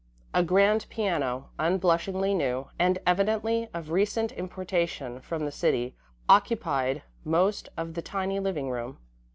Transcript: A grand piano, unblushingly new, and evidently of recent importation from the city, occupied most of the tiny living room.